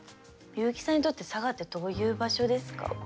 優木さんにとって佐賀ってどういう場所ですか？